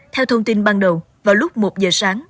theo thông tin ban đầu vào lúc một giờ sáng